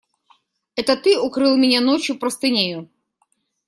Это ты укрыл меня ночью простынею?